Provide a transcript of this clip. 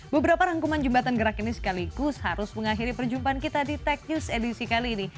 beberapa rangkuman jembatan gerak ini sekaligus harus mengakhiri perjumpaan kita di tech news edisi kali ini